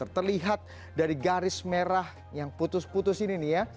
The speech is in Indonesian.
terlihat dari garis merah yang putus putus ini nih ya